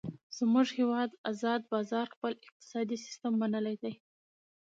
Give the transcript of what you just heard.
زمونږ هیواد ازاد بازار خپل اقتصادي سیستم منلی دی.